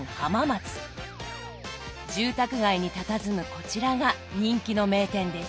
住宅街にたたずむこちらが人気の名店です。